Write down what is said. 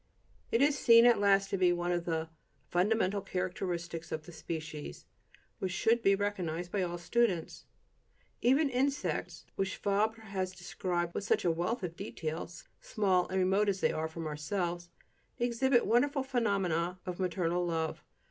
It is seen at last to be one of the "fundamental characteristics of the species," which should be recognized by all students. Even insects, which Fabre has described with such a wealth of detail, small and remote as they are from ourselves, exhibit wonderful phenomena of maternal love.